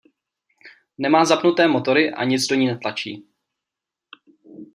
Nemá zapnuté motory a nic do ní netlačí.